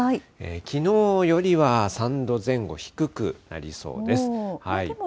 きのうよりは３度前後低くなりそうです。